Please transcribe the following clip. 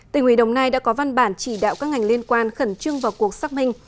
tỉnh ủy đồng nai đã có văn bản chỉ đạo các ngành liên quan khẩn trương vào cuộc xác minh